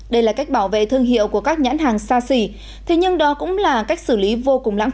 đây là cách bảo vệ thương hiệu của các nhãn hàng xa xỉ thế nhưng đó cũng là cách xử lý vô cùng lãng phí